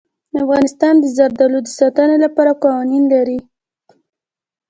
افغانستان د زردالو د ساتنې لپاره قوانین لري.